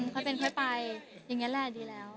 ค่อยเป็นค่อยไปอย่างนี้แหละดีแล้ว